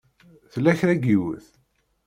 Tella kra n yiwet?